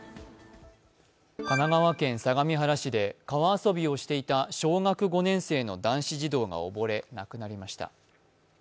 神奈川県相模原市で川遊びをしていた小学５年生の男子児童が溺れ、亡くなりました。